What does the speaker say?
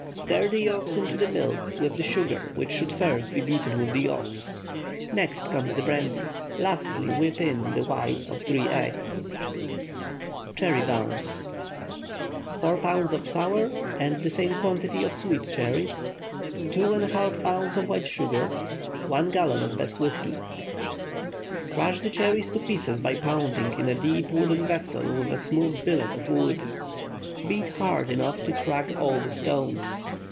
Stir the yolks into the milk with the sugar, which should first be beaten with the yolks. Next comes the brandy. Lastly whip in the whites of three eggs. CHERRY BOUNCE. 4 lbs. of sour and the same quantity of sweet cherries. 2½ lbs. white sugar. 1 gallon best whiskey. Crush the cherries to pieces by pounding in a deep wooden vessel with a smooth billet of wood. Beat hard enough to crack all the stones.